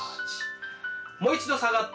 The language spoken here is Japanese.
もう一度下がって。